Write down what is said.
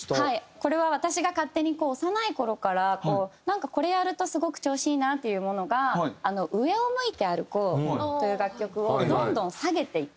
これは私が勝手にこう幼い頃からなんかこれやるとすごく調子いいなっていうものが『上を向いて歩こう』という楽曲をどんどん下げていく。